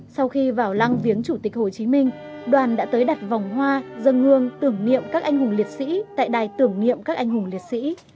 sau khi vào lăng viếng chủ tịch hồ chí minh đoàn đã tới đặt vòng hoa dân hương tưởng niệm các anh hùng liệt sĩ tại đài tưởng niệm các anh hùng liệt sĩ